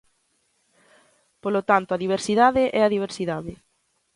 Polo tanto, a diversidade é a diversidade.